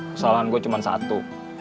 kesalahan gua cuma satu